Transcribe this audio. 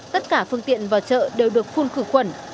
tất cả phương tiện vào chợ đều được phun khử khuẩn